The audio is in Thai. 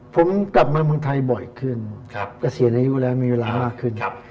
ผมกลับมาเมืองไทยบ่อยขึ้นเกษียณอายุแล้วมีเวลามากขึ้น